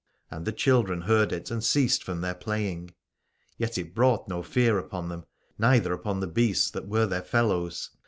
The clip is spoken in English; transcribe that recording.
And the children heard it and ceased from their playing: yet it brought no fear upon them, neither upon the beasts that were their fellows.